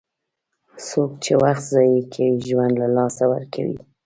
څوک چې وخت ضایع کوي، ژوند له لاسه ورکوي.